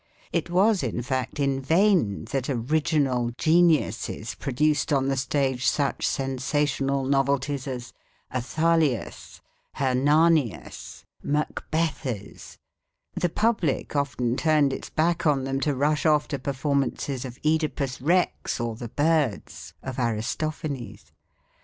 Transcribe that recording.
It was in fact in vain that original geniuses produced on the stage such sensational novelties as Athalias, Hernanias, Macbethès; the public often turned its back on them to rush off to performances of Oedipus Rex or the Birds (of Aristophanes).